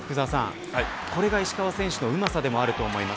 これが石川選手のうまさでもあると思います。